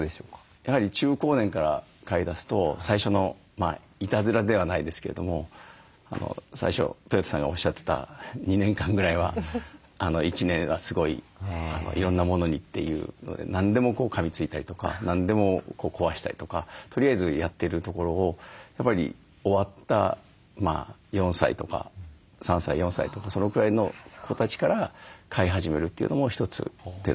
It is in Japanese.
やはり中高年から飼いだすと最初のいたずらではないですけれども最初とよたさんがおっしゃってた２年間ぐらいは１年はすごいいろんなものにというので何でもかみついたりとか何でも壊したりとかとりあえずやってるところをやっぱり終わった４歳とか３歳４歳とかそのぐらいの子たちから飼い始めるというのも一つ手だと思います。